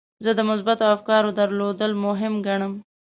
زه د مثبتو افکارو درلودل مهم ګڼم.